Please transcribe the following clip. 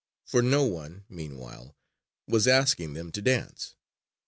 For no one, meanwhile, was asking them to dance.